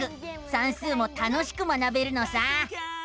算数も楽しく学べるのさ！